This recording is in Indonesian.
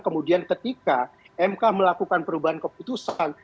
kemudian ketika mk melakukan perubahan keputusan